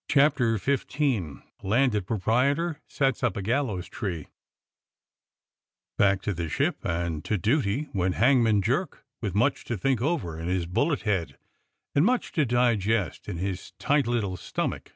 CHAPTER XV A LANDED PROPRIETOR SETS UF A GALLOWS TREE BACK to the Ship and to duty went *' Hangman Jerk," with much to think over in his bullet head, and much to digest in his tight little stomach.